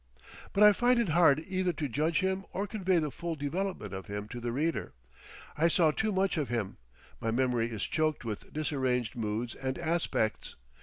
But I find it hard either to judge him or convey the full development of him to the reader. I saw too much of him; my memory is choked with disarranged moods and aspects.